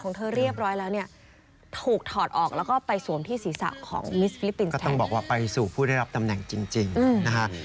ก็ต้องบอกว่าไปสู่ผู้ได้รับตำแหน่งจริงนะฮะ